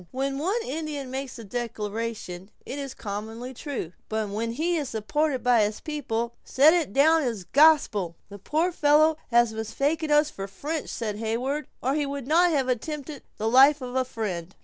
when one Indian makes a declaration it is commonly true; but when he is supported by his people, set it down as gospel!" "The poor fellow has mistaken us for French," said Heyward; "or he would not have attempted the life of a friend."